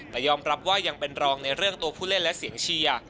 แต่ยอมรับว่ายังเป็นรองในเรื่องตัวผู้เล่นและเสียงเชียร์